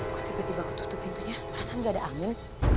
kok tiba tiba aku tutup pintunya merasa gak ada angin